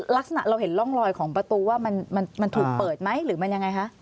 ลักษณะเราเห็นร่องรอยของประตูว่ามันถูกเปิดไหมหรือมันยังไงคะ